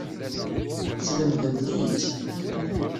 Teslemdemt-iyi-tt.